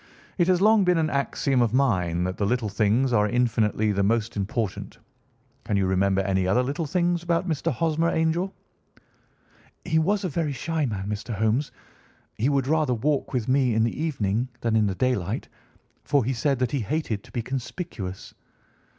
"It has long been an axiom of mine that the little things are infinitely the most important. Can you remember any other little things about Mr. Hosmer Angel?" "He was a very shy man, Mr. Holmes. He would rather walk with me in the evening than in the daylight, for he said that he hated to be conspicuous.